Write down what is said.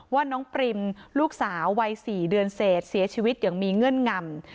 ว่าน้องปริมลูกสาววัย๔เดือนเศษเสียชีวิตอย่างมีเงื่อนงำ